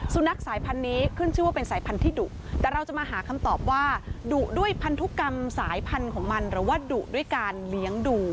สุนัขสายพันธุ์นี้ขึ้นชื่อว่าเป็นสายพันธุ์ดุแต่เราจะมาหาคำตอบว่าดุด้วยพันธุกรรมสายพันธุ์ของมันหรือว่าดุด้วยการเลี้ยงดู